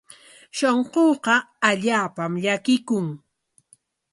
Shunquuqa allaapam llakikun.